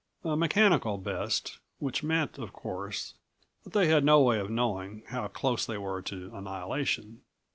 A mechanical best, which meant, of course, that they had no way of knowing how close they were to annihilation.